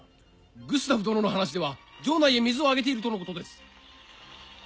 グスタフ殿の話では城内へ水を上げているとのことです。